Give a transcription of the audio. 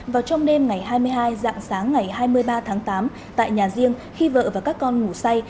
vào trong đêm ngày hai mươi hai dạng sáng ngày hai mươi ba tháng tám tại nhà riêng khi vợ và các con ngủ say